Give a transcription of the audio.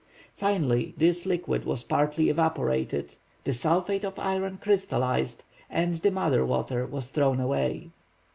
Finally, this liquid was partly evaporated, the sulphate of iron crystalized, and the mother water was thrown away.